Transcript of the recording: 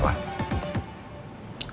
karena lo buta